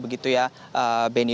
begitu ya benny